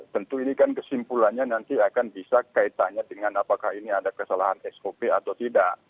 tentu ini kan kesimpulannya nanti akan bisa kaitannya dengan apakah ini ada kesalahan sop atau tidak